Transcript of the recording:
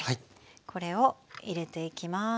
これを入れていきます。